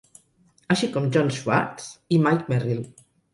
Així com John Schwartz i Mike Merrill.